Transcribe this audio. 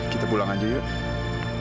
kita pulang aja ya udah sore